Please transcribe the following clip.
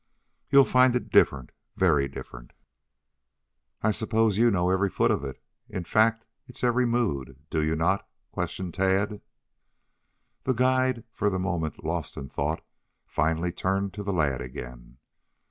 "You'll find it different; very different." "I suppose you know every foot of it in fact its every mood, do you not?" questioned Tad. The guide, for the moment lost in thought, finally turned to the lad again.